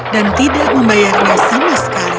dan tidak membayarnya sama sekali